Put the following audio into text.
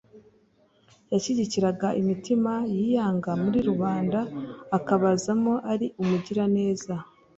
Yashyikiraga imitima yiyanga muri rubanda, akabazamo ari umugiraneza.